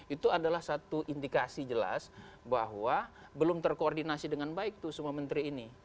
itu adalah satu indikasi jelas bahwa belum terkoordinasi dengan baik itu semua menteri ini